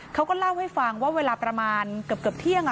เขาก็เล่าให้ฟังว่าเวลาประมาณเกือบเที่ยง